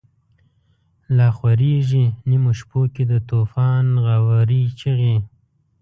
لا خوریږی نیمو شپو کی، دتوفان غاوری چیغی